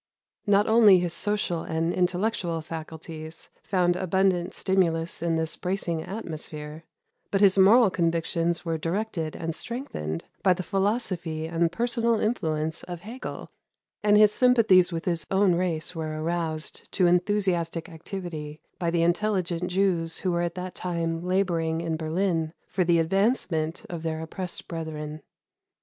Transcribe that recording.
Not only his social and intellectual faculties found abundant stimulus in this bracing atmosphere, but his moral convictions were directed and strengthened by the philosophy and personal influence of Hegel, and his sympathies with his own race were aroused to enthusiastic activity by the intelligent Jews who were at that time laboring in Berlin for the advancement of their oppressed brethren.